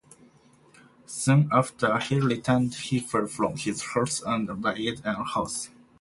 Soon after he returned he fell from his horse and died at Howth.